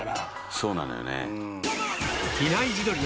そうなのよね。